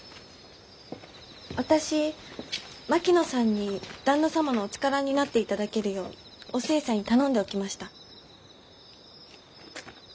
私槙野さんに旦那様のお力になっていただけるようお寿恵さんに頼んでおきました。